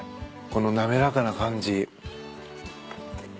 この滑らかな感じ。